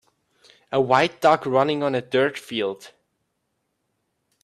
A white dog running on a dirt field